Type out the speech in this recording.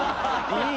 いい！